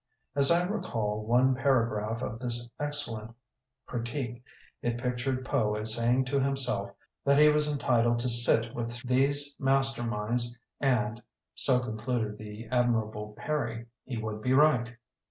As I recall one paragraph of this excellent critique, it pictured Poe as saying to himself that he was entitled to sit with these mas ter minds and, (so concluded the ad mirable Perry), he would be right.